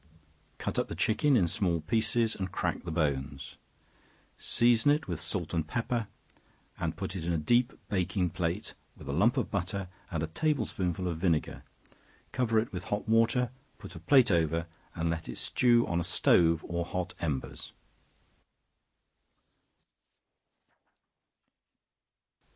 Cut up the chicken in small pieces, and crack the bones; season it with salt and pepper, and put it in a deep baking plate, with a lump of butter and a table spoonful of vinegar; cover it with hot water, put a plate over, and let it stew on a stove or hot embers.